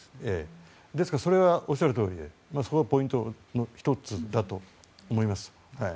ですから、おっしゃるとおりでポイントの１つだと思います。